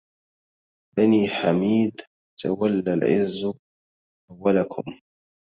بني حميد تولى العز أولكم